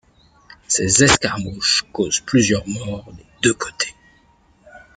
Ces escarmouches causent plusieurs morts des deux côtés.